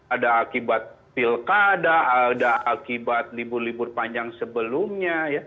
ada akibat pilkada ada akibat libur libur panjang sebelumnya